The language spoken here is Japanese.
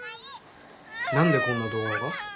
何でこんな動画が？